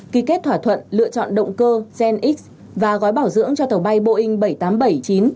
ký kết thỏa thuận lựa chọn động cơ gen x và gói bảo dưỡng cho tàu bay boeing bảy trăm tám mươi bảy chín